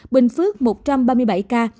bình phước một trăm ba mươi bảy ca